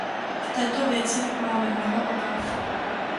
V této věci máme mnoho obav.